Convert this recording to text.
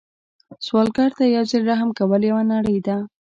سوالګر ته یو ځل رحم کول یوه نړۍ ده